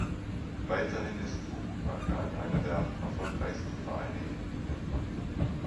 Weiterhin ist Mohun Bagan einer der erfolgreichsten Vereine in Indien.